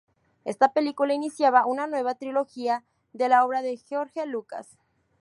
Esta película iniciaba una nueva trilogía de la obra de George Lucas.